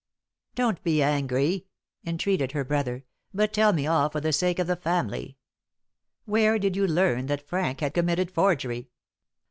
"Don't be angry!" entreated her brother; "but tell me all for the sake of the family. Where did you learn that Frank had committed forgery?"